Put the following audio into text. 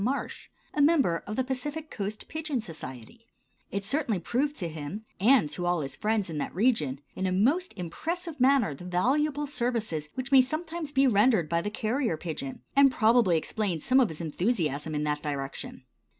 Marsh, a member of the Pacific Coast Pigeon Society. It certainly proved to him, and to all his friends in that region, in a most impressive manner the valuable services which may sometimes be rendered by the carrier pigeon, and probably explains some of his enthusiasm in that direction.